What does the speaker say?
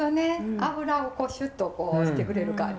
油をシュッとしてくれる感じ。